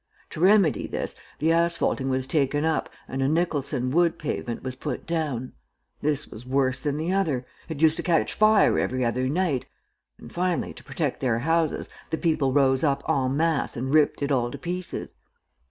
To remedy this, the asphalting was taken up and a Nicholson wood pavement was put down. This was worse than the other. It used to catch fire every other night, and, finally, to protect their houses, the people rose up en masse and ripped it all to pieces.